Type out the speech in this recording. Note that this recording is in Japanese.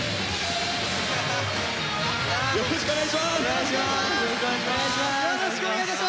よろしくお願いします！